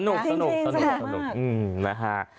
สนุกสนุกสนุกมาก